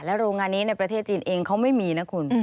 โรงงานนี้ในประเทศจีนเองเขาไม่มีนะคุณ